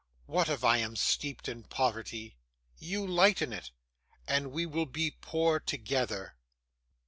What, if I am steeped in poverty? You lighten it, and we will be poor together.